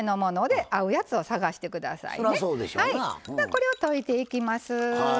これを溶いていきます。